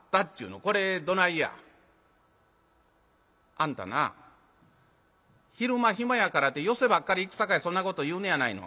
「あんたな昼間暇やからて寄席ばっかり行くさかいそんなこと言うのやないの。